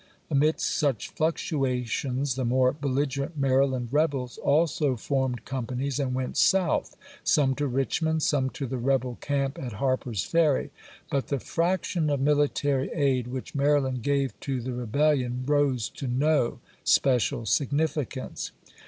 Amidst such fluctuations the more belligerent Maryland rebels also formed companies and went South — some to Richmond, some to the rebel camp at Harper's Ferry ; but the fraction of mili tary aid which Maryland gave to the rebellion rose to no special significance.